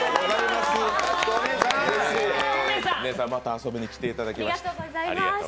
お姉さん、また遊びに来ていただきました。